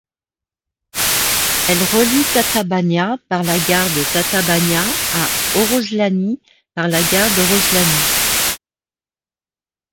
Elle relie Tatabánya par la gare de Tatabánya à Oroszlány par la gare d'Oroszlány.